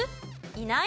いない。